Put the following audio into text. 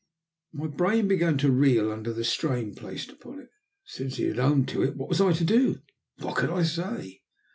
My brain began to reel under the strain placed upon it. Since he had owned to it, what was I to do? What could I say?